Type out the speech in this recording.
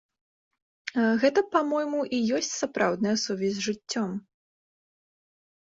Гэта, па-мойму, і ёсць сапраўдная сувязь з жыццём.